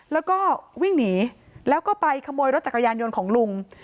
แล้วก็วิ่งหนีแล้วก็ไปขโมยรถจักรยานยนต์ของลุง